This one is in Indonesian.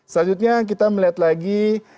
selanjutnya kita melihat lagi